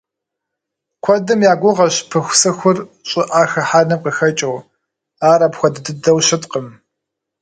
Куэдым я гугъэщ пыхусыхур щӀыӀэ хыхьэным къыхэкӀыу, ар апхуэдэ дыдэу щыткъым.